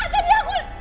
ma tadi aku